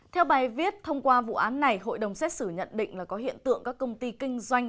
theo bài viết thông qua vụ án này hội đồng xét xử nhận định là có hiện tượng các công ty kinh doanh